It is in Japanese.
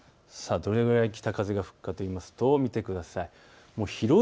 どれぐらい北風が吹くかといいますと見てください。